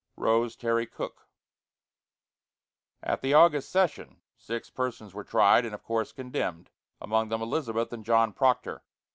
ROSE TERRY COOKE. At the August session, six persons were tried and, of course, condemned, among them Elizabeth and John Proctor.